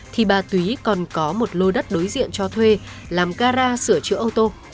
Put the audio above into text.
thì bà túy còn có một lô đất đối diện cho thuê làm gara sửa chữa ô tô